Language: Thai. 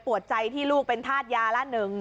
พ่อปวดใจที่ลูกเป็นธาตุยาละ๑